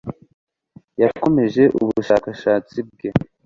yakomeje ubushakashatsi bwe